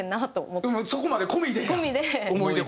そこまで込みでや。